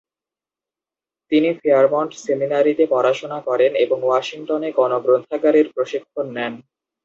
তিনি ফেয়ারমন্ট সেমিনারিতে পড়াশোনা করেন এবং ওয়াশিংটনে গণগ্রন্থাগারের প্রশিক্ষণ নেন।